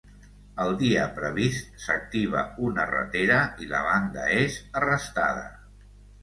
El dia previst, s'activa una ratera i la banda és arrestada.